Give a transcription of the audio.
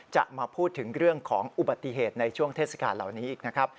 จะมาพูดถึงเรื่องของอุบัติเหตุในช่วงเทศกาลเหล่านี้อีกนะครับ